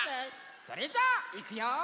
それじゃあいくよ！